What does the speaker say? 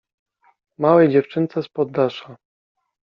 — Małej dziewczynce z poddasza.